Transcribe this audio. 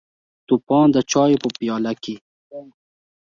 توپان د چایو په پیاله کې: